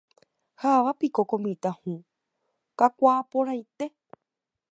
Ha mávapiko ko mitã hũ kakuaaporãite.